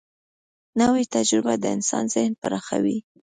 نوې تجربه د انسان ذهن پراخوي